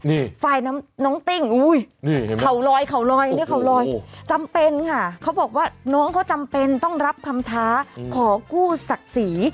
นี่ฝ่ายน้ำน้องติ้งเขาลอยเขาลอยเนี่ยเขาลอยจำเป็นค่ะเขาบอกว่าน้องเขาจำเป็นต้องรับคำท้าขอกู้ศักดิ์ศรี